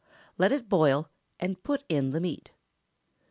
Let it boil, and put in the meat.